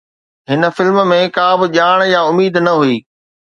هن فلم ۾ ڪا به ڄاڻ يا اميد نه هئي